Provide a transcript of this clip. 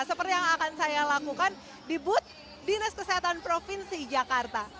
seperti yang akan saya lakukan di but dinas kesehatan provinsi jakarta